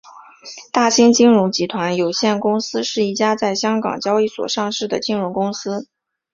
大新金融集团有限公司是一家在香港交易所上市的金融公司。